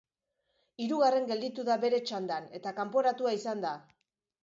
Hirugarren gelditu da bere txandan eta kanporatua izan da.